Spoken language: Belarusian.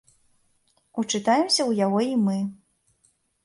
Учытаемся ў яго і мы.